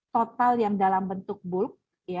total yang dalam bentuk bulk